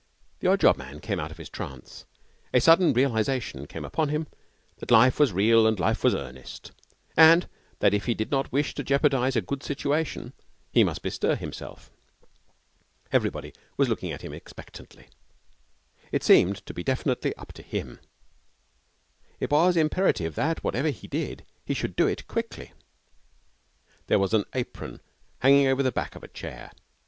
The odd job man came out of his trance. A sudden realization came upon him that life was real and life was earnest, and that if he did not wish to jeopardize a good situation he must bestir himself. Everybody was looking at him expectantly. It seemed to be definitely up to him. It was imperative that, whatever he did, he should do it quickly. There was an apron hanging over the back of a chair.